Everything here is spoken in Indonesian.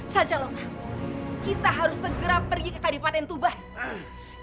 sancalokah kita harus segera pergi ke kadipaten tuban